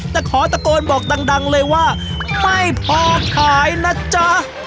แต่ขอตะโกนบอกดังเลยว่าไม่พอขายนะจ๊ะ